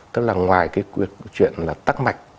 tức là ngoài cái chuyện là tắc mạch